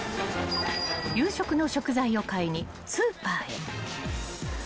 ［夕食の食材を買いにスーパーへ］